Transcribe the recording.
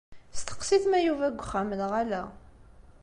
Steqsi-t ma Yuba deg uxxam neɣ ala.